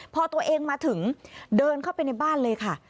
พอตัวเองมาถึงเดินเข้าไปในบ้านเลยค่ะ